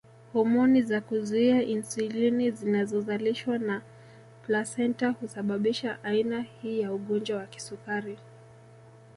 Homoni za kuzuia insulini zinazozalishwa na plasenta husababisha aina hii ya ugonjwa wa kisukari